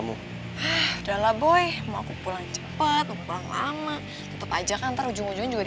nah aku na laude nih di sakitnya